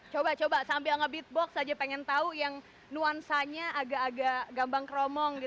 coba coba sambil ngebeatbox aja pengen tahu yang nuansanya agak agak gambang keromong gitu